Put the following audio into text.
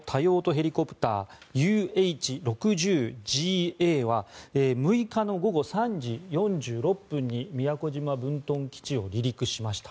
ヘリコプターＵＨ６０ＪＡは６日の午後３時４６分に宮古島分屯基地を離陸しました。